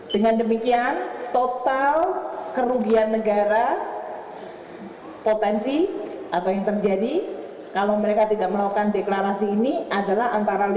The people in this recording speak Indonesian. dengan demikian total kerugian negara potensi atau yang terjadi kalau mereka tidak melakukan deklarasi ini adalah antara lain